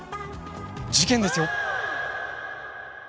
事件ですよ。